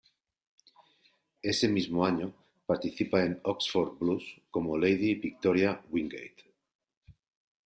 Ese mismo año participa en "Oxford Blues" como Lady Victoria Wingate.